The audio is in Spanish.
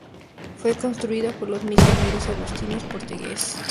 Fue construida por los misioneros agustinos portugueses.